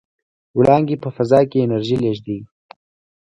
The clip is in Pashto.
وړانګې په فضا کې انرژي لېږدوي.